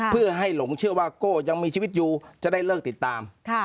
เพื่อให้หลงเชื่อว่าโก้ยังมีชีวิตอยู่จะได้เลิกติดตาม